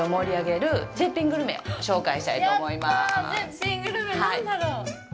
絶品グルメ、何だろう？